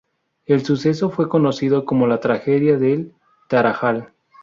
El suceso fue conocido como la tragedia del Tarajal.